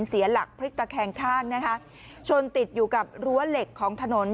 เสียหลักพลิกตะแคงข้างนะคะชนติดอยู่กับรั้วเหล็กของถนน